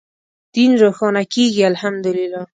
دین روښانه کېږي الحمد لله.